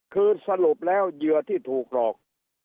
คือสรุปแล้วเหยื่อที่ถูกหลอก